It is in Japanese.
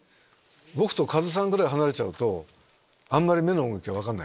僕とカズさんぐらい離れちゃうとあんまり目の動き分かんない。